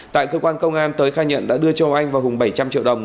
tại cơ quan công an tới khai nhận đã đưa cho oanh vào hùng bảy trăm linh triệu đồng